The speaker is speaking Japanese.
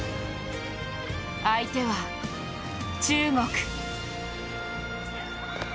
相手は、中国。